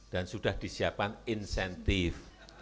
dan sudah disiapkan insentif